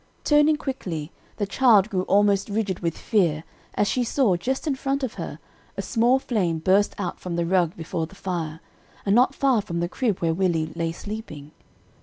Turning quickly, the child grew almost rigid with fear as she saw, just in front of her, a small flame burst out from the rug before the fire, and not far from the crib where Willie lay sleeping.